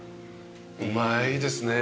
うまいですね。